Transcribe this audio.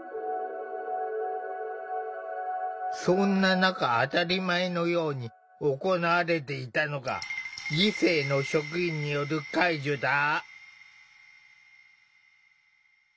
そんな中当たり前のように行われていたのが異性の職員による介助だ。